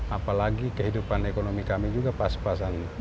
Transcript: apalagi kehidupan ekonomi kami juga pas pasan